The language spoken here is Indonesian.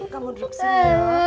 kamu duduk sini ya